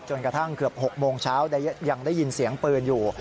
กระทั่งเกือบ๖โมงเช้ายังได้ยินเสียงปืนอยู่